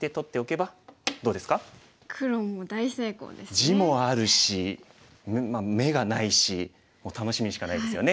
地もあるし眼がないしもう楽しみしかないですよね。